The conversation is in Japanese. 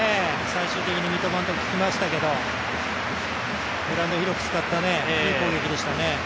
最終的に三笘のとこに来ましたけど、グラウンドを広く使ったいい攻撃でしたね。